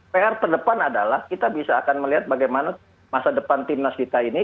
pr terdepan adalah kita bisa akan melihat bagaimana masa depan timnas kita ini